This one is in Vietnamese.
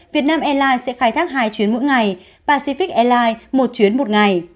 vietnam airlines sẽ khai thác hai chuyến mỗi ngày pacific airlines một chuyến một ngày